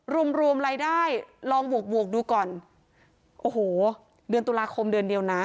รวมรวมรายได้ลองบวกบวกดูก่อนโอ้โหเดือนตุลาคมเดือนเดียวนะ